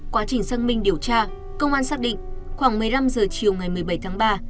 quá trình xăng minh điều tra công an xác định khoảng một mươi năm h chiều ngày một mươi bảy tháng ba